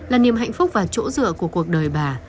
là niềm hạnh phúc và chỗ dựa của cuộc đời bà